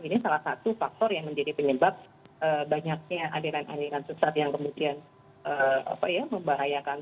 ini salah satu faktor yang menjadi penyebab banyaknya adilan adilan susah yang kemudian membahayakan